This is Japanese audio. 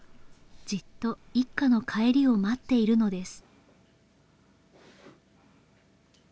じっと一家の帰りを待っているのです